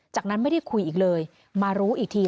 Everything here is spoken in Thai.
จากนั้นไม่ได้คุยอีกเลยมารู้อีกที